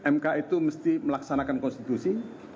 mk itu mesti melaksanakan konstitusi